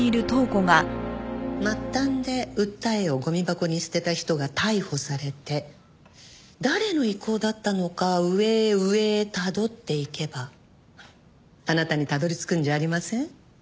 末端で訴えをごみ箱に捨てた人が逮捕されて誰の意向だったのか上へ上へたどっていけばあなたにたどり着くんじゃありません？